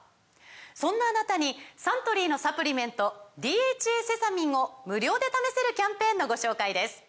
そんなあなたにサントリーのサプリメント「ＤＨＡセサミン」を無料で試せるキャンペーンのご紹介です